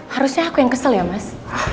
harusnya aku yang kesel ya mas